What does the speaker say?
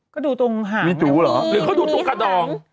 ก็ดูตรงหอมหรือมีตัวกระดอง